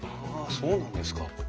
そうなんですか。